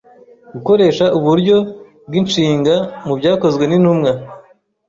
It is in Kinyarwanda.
Gukoresha uburyo bw'inshinga mu Byakozwe n'Intumwa